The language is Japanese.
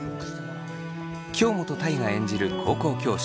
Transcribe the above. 京本大我演じる高校教師